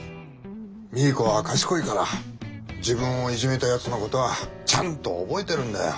ミーコは賢いから自分をいじめたやつのことはちゃんと覚えてるんだよ。